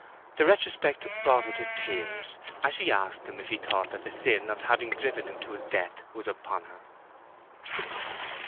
The retrospect brought her to tears as she asked him if he thought that the sin of having driven him to his death was upon her.